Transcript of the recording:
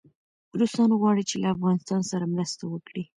روسان غواړي چي له افغانستان سره مرسته وکړي.